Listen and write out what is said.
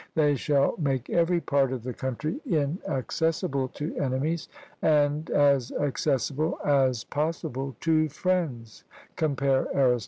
They shall make every part of the country inaccessible to enemies, and as accessible as possible to friends (compare Arist.